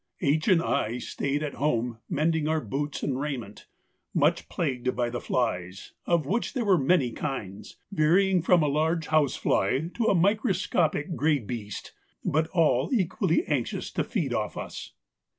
H. and I stayed at home mending our boots and raiment, much plagued by the flies, of which there were many kinds, varying from a large house fly to a microscopic grey beast, but all equally anxious to feed off us.